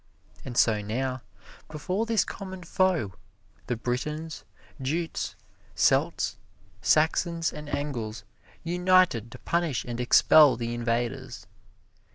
And so now, before this common foe, the Britons, Jutes, Celts, Saxons and Engles united to punish and expel the invaders.